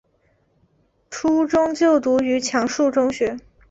初中就读于强恕中学。